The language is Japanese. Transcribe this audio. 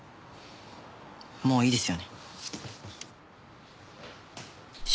もういいですよね。